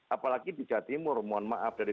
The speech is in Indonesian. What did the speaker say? apalagi di jawa timur mohon maaf dari